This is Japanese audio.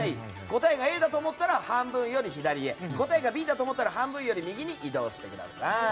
答えがＡだと思ったら半分より左へ答えがＢだと思ったら半分より右に移動してください。